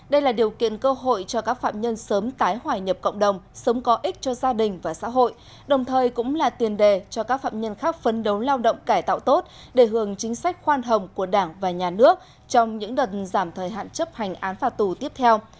đây là điều kiện cơ hội cho các phạm nhân sớm tái hòa nhập cộng đồng sống có ích cho gia đình và xã hội đồng thời cũng là tiền đề cho các phạm nhân khác phấn đấu lao động cải tạo tốt để hưởng chính sách khoan hồng của đảng và nhà nước trong những đợt giảm thời hạn chấp hành án phạt tù tiếp theo